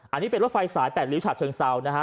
อันนี้เป็นรถไฟสาย๘ริ้วฉะเชิงเซานะฮะ